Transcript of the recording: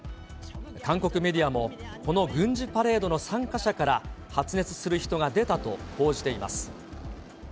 韓国メディアも、この軍事パレードの参加者から発熱する人が出たと報じています。